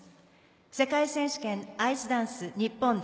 世界選手権アイスダンス日本代